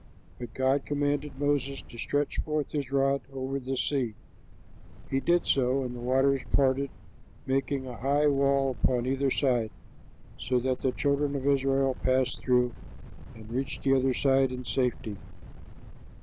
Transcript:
But God commanded Moses to stretch forth his rod over the sea; he did so, and the waters parted, making a high wall upon either side, so that the children of Israel passed through and reached the other side in safety.